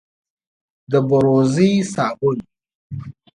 د بوروزې صابون،